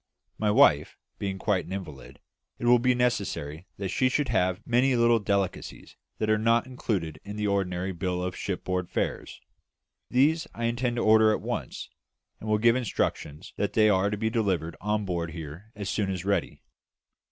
My wife being quite an invalid, it will be necessary that she should have many little delicacies that are not included in the ordinary bill of shipboard fare. These I intend to order at once, and will give instructions that they are to be delivered on board here as soon as ready.